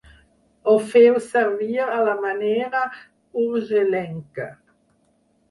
Ho feu servir a la manera urgellenca.